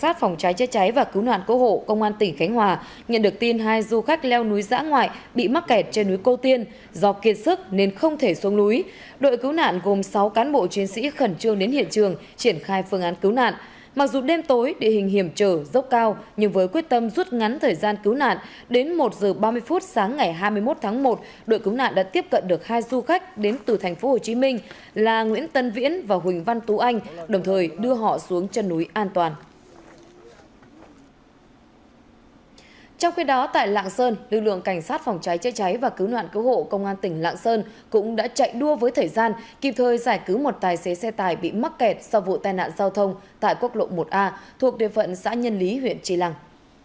trong khi đó tại lạng sơn lực lượng cảnh sát phòng cháy chế cháy và cứu nạn cứu hộ công an tỉnh lạng sơn cũng đã chạy đua với thời gian kịp thời giải cứu một tài xế xe tải bị mắc kẹt sau vụ tai nạn giao thông tại quốc lộ một a thuộc địa phận xã nhân lý huyện trì lăng